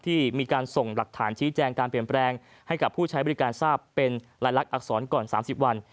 ที่มีการส่งหลักฐานชี้แจงการเปลี่ยนแปลงให้กับผู้ใช้บริการทราบเป็นรายลักษรก่อน๓๐วัน